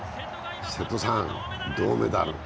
瀬戸さん、銅メダル。